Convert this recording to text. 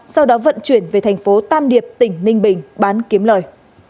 sau đó vận chuyển về thành phố tam điệp tỉnh ninh bình bán kiếm lời